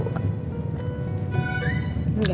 enggak ada yang lupa